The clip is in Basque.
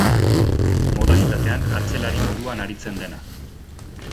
Modalitatean atzelari moduan aritzen dena.